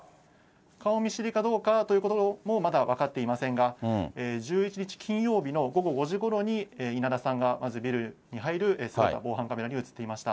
顔見知りかどうかということもまだ分かっていませんが、１１日金曜日の午後５時ごろに、稲田さんがまずビルに入る姿が防犯カメラに写っていました。